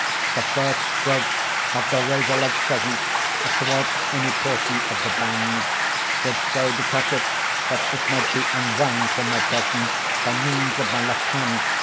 The first stroke of the razorlike crescent athwart any portion of the band, would so detach it that it might be unwound from my person by means of my left hand.